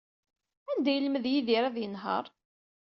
Anda ay yelmed Yidir ad yenheṛ?